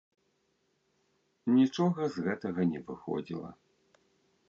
Нічога з гэтага не выходзіла.